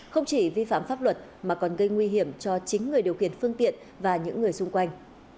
không chỉ vi phạm pháp luật mà còn gây nguy hiểm cho chính người điều khiển phương tiện và những người xung quanh